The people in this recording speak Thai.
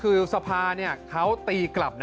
คือสภาเขาตีกลับ